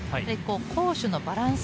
攻守のバランス。